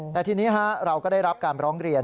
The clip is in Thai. แต่ทีนี้เราก็ได้รับการร้องเรียน